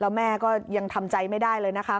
แล้วแม่ก็ยังทำใจไม่ได้เลยนะคะ